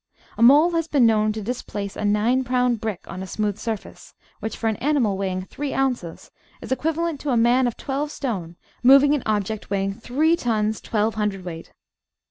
A mole has been known to displace a nine pound brick on a smooth surface, which for an animal weighing three ounces is equivalent to a man of twelve stone moving an object weighing 3 tons 12 cwt.